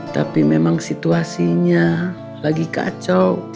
tapi memang situasinya lagi kacau